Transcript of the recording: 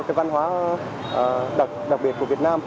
cái văn hóa đặc biệt của việt nam